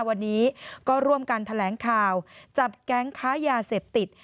วันนี้ก็ร่วมกันแถลงข่าวจับแก๊งค้ายาเสพติด